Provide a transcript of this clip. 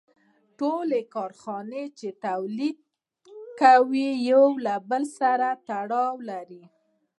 ټولې کارخانې چې تولیدات کوي یو له بل سره تړلي دي